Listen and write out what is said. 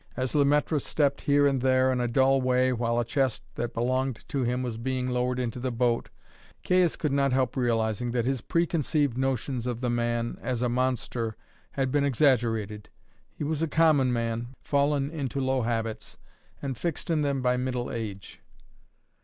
As Le Maître stepped here and there in a dull way while a chest that belonged to him was being lowered into the boat, Caius could not help realizing that his preconceived notions of the man as a monster had been exaggerated; he was a common man, fallen into low habits, and fixed in them by middle age.